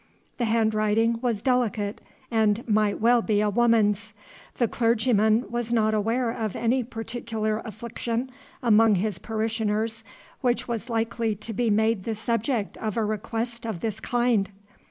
The handwriting was delicate and might well be a woman's. The clergyman was not aware of any particular affliction among his parishioners which was likely to be made the subject of a request of this kind.